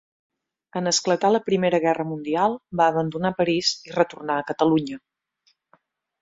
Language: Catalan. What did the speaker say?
En esclatar la Primera Guerra Mundial va abandonar París i retornà a Catalunya.